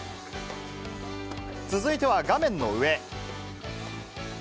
続いては画面の上。